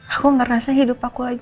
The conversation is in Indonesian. aku ngerasa hidup aku